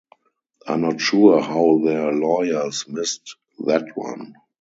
I'm not sure how their lawyers missed that one.